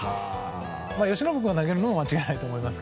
由伸君が投げるのは間違いないと思います。